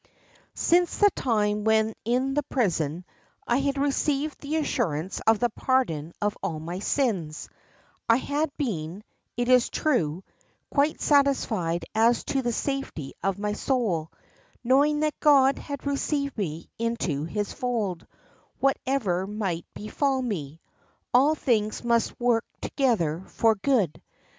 "Since the time when in the prison I had received the assurance of the pardon of all my sins, I had been, it is true, quite satisfied as to the safety of my soul, knowing that God having received me into His fold, whatever might befall me, 'all things must work together for good.